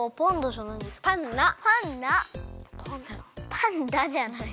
パンダじゃない。